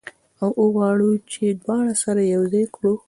او وغواړو چې دواړه سره یو ځای کړو.